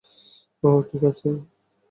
ওহ, ঠিক আছে!